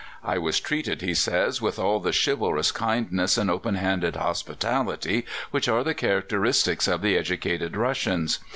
"I was treated," he says, "with all the chivalrous kindness and open handed hospitality which are the characteristics of the educated Russians.